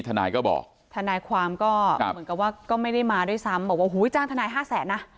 ทนายก็บอกทนายความก็เหมือนกับว่าก็ไม่ได้มาด้วยซ้ำบอกว่าหูยจ้างทนายห้าแสนนะ